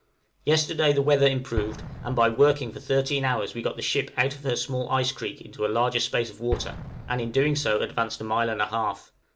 Yesterday the weather improved, and by working for thirteen hours we got the ship out of her small ice creek into a larger space of water, and in so doing advanced a mile and a half.